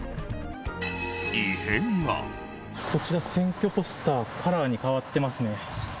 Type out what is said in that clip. こちら、選挙ポスター、カラーに変わってますね。